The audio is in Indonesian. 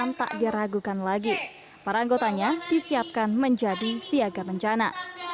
dan tak diragukan lagi para anggotanya disiapkan menjadi siaga bencana